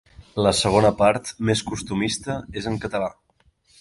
La segona part, més costumista, és en català.